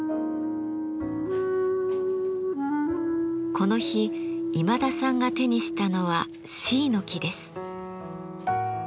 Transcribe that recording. この日今田さんが手にしたのはシイの木です。